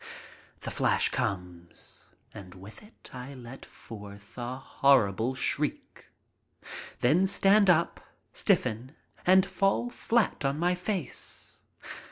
The flash comes, and with it I let forth a horrible shriek, then stand up, stiffen, and fall flat on my face.